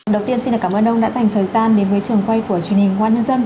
đầu tiên xin cảm ơn ông đã dành thời gian đến với trường quay của truyền hình công an nhân dân